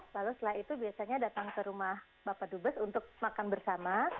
lalu setelah itu biasanya datang ke rumah bapak dubes untuk makan bersama